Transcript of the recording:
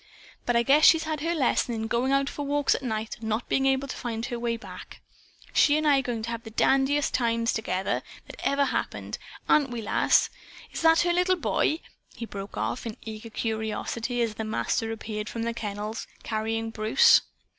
But I guess she's had her lesson in going out for walks at night and not being able to find her way back. She and I are going to have the dandiest times together, that ever happened. Aren't we, Lass? Is that her little boy?" he broke off, in eager curiosity, as the Master appeared from the kennels, carrying Bruce.